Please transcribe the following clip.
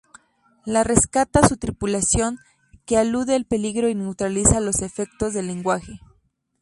La rescata su tripulación, que elude el peligro y neutraliza los efectos del lenguaje.